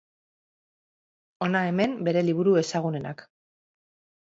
Hona hemen bere liburu ezagunenak.